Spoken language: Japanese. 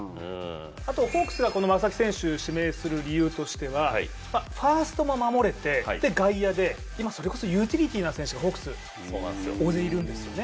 ホークスが正木選手を指名する理由としてはファーストも守れて外野で、それこそユーティリティーな選手がホークス、大勢いるんですよね？